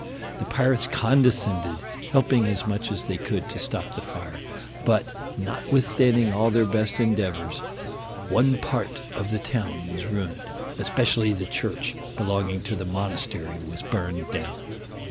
The pirates condescended, helping as much as they could to stop the fire; but, notwithstanding all their best endeavors, one part of the town was ruined, especially the church belonging to the monastery was burned down.